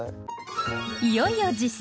いよいよ実践！